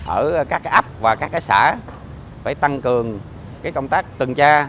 ở các cái ấp và các cái xã phải tăng cường công tác từng cha